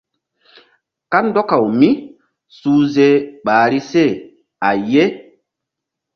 Kandɔkaw mísuhze ɓahri se a ye.